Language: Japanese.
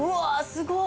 すごい。